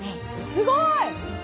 すごい！